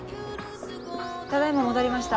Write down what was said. ただ今戻りました。